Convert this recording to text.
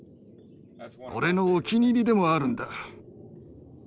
俺のお気に入りでもあるんだ。